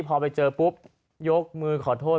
พอไปเจอปุ๊บยกมือขอโทษ